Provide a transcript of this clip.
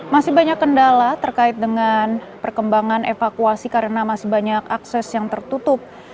masih banyak kendala terkait dengan perkembangan evakuasi karena masih banyak akses yang tertutup